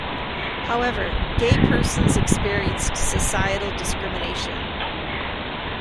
However, gay persons experienced societal discrimination.